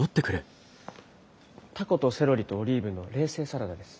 タコとセロリとオリーブの冷製サラダです。